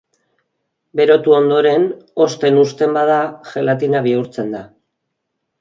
Berotu ondoren hozten uzten bada gelatina bihurtzen da.